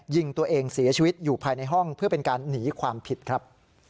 ยิงตัวเองเสียชีวิตอยู่ภายในห้องเพื่อเป็นการหนีความผิดครับ